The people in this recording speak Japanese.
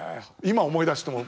今思い出しても。